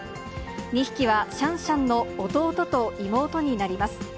２匹はシャンシャンの弟と妹になります。